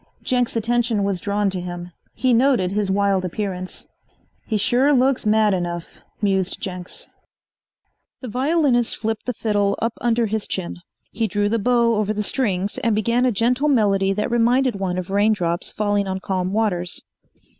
Jenks' attention was drawn to him. He noted his wild appearance. "He sure looks mad enough," mused Jenks. The violinist flipped the fiddle up under his chin. He drew the bow over the strings and began a gentle melody that reminded one of rain drops falling on calm waters.